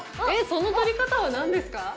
その撮り方は何ですか？